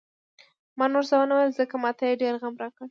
ما نور څه ونه ویل، ځکه ما ته یې ډېر غم راکړ.